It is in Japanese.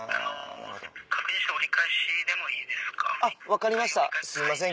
分かりましたすいません